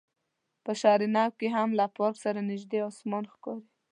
په شهر نو کې هم له پارک سره نژدې اسمان ښکاري.